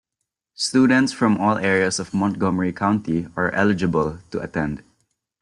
Students from all areas of Montgomery County are eligible to attend.